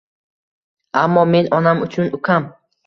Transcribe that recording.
Аmmo men onam uchun ukam.